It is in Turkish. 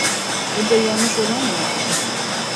Bunda yanlış olan ne?